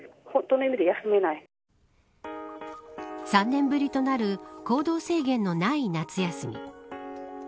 ３年ぶりとなる行動制限のない夏休み。